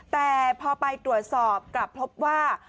แต่พอไปตรวจสอบกลับพบว่า